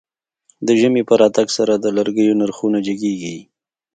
د ژمی په راتګ سره د لرګيو نرخونه جګېږي.